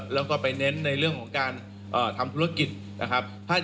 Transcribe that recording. แล้วก็ไปเน้นในเรื่องของการทำธุรกิจนะครับ